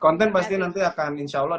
konten pasti nanti akan insya allah